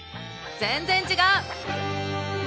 全然違う！